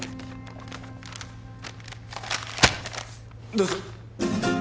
どうぞ。